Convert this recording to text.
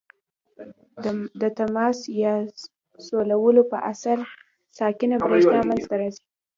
د تماس یا سولولو په اثر ساکنه برېښنا منځ ته راځي.